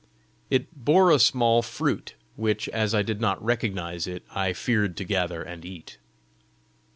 It bore a small fruit, which, as I did not recognise it, I feared to gather and eat.